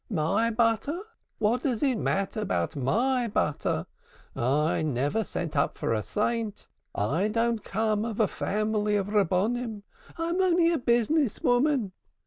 "My butter? What does it matter about my butter? I never set up for a purist. I don't come of a family of Rabbonim. I'm only a business woman.